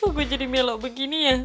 kok gue jadi melok begini ya